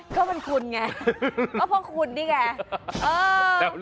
ก็เป็นคุณไงก็เพราะคุณนี่แก